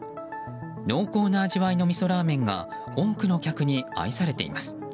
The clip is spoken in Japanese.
濃厚な味わいのみそラーメンが多くの客に愛されています。